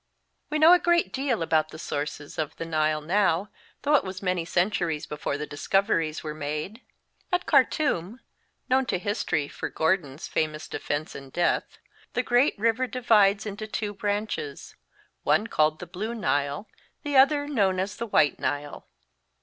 We know a great deal about the sources of the Nile now, though it was many centuries before the discoveries were made. At Khartum known to Llotory for Gordon's famous defence and death the great river divides into two branches, one called the Blue Nile, the other known as the White Nile.